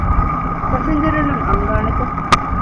ފަސިންޖަރުންނަށް އަންގާނެތަ؟